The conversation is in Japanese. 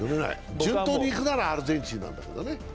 順当にいくならアルゼンチンなんだけどね。